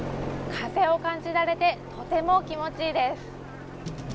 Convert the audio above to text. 風を感じられて、とても気持ちいいです。